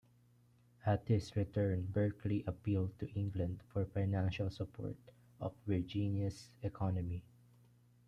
At his return, Berkeley appealed to England for financial support of Virginia's economy.